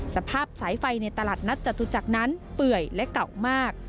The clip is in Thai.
สภาพสายไฟในตลาดนัดจตุจักรนั้นเปื่อยและเก่ามาก